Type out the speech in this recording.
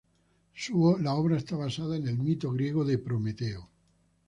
La obra está basada en el mito griego de Prometeo.